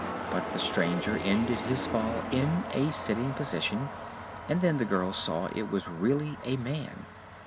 But the stranger ended his fall in a sitting position and then the girl saw it was really a man.